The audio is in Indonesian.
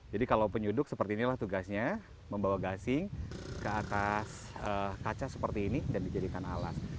jadi kalau penyuduk seperti inilah tugasnya membawa gasing ke atas kaca seperti ini dan dijadikan alas